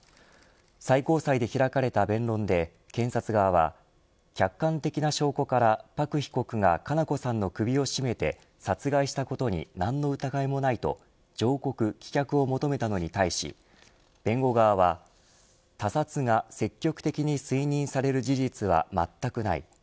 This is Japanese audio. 最高裁で開かれた弁論で検察側は客観的な証拠から朴被告が佳菜子さんの首を絞めて殺害したことに何の疑いもないと上告棄却を求めたのに対し弁護側は他殺が積極的に推認される事実はまったくない。